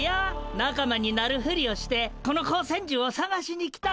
仲間になるふりをしてこの光線じゅうをさがしに来たんや。